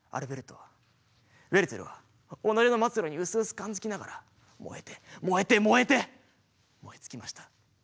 ウェルテルは己の末路にうすうす感づきながら燃えて燃えて燃えて燃えて燃え尽きました。